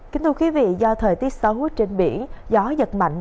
kính thưa quý vị do thời tiết xấu hút trên biển gió giật mạnh